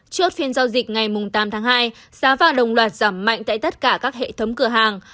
sau dịch ngày tám tháng hai giá vàng đồng loạt giảm mạnh tại tất cả các hệ thống cửa hàng